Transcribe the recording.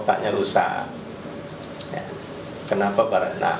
tanyakan kenapa kotaknya rusak